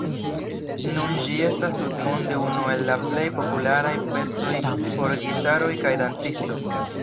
Nun ĝi estas tutmonde unu el la plej popularaj pecoj por gitaro kaj dancisto.